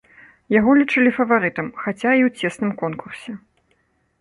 Яго лічылі фаварытам, хаця і ў цесным конкурсе.